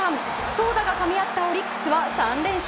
投打がかみ合ったオリックスは３連勝。